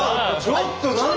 ちょっと何？